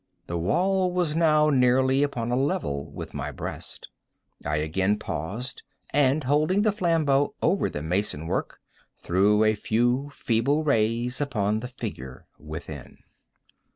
The wall was now nearly upon a level with my breast. I again paused, and holding the flambeaux over the mason work, threw a few feeble rays upon the figure within.